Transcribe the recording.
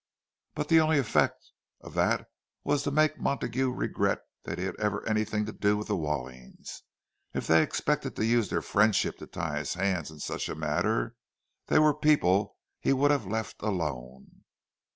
But the only effect of that was to make Montague regret that he had ever had anything to do with the Wallings. If they expected to use their friendship to tie his hands in such a matter, they were people he would have left alone.